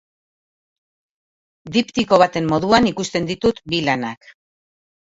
Diptiko baten moduan ikusten ditut bi lanak.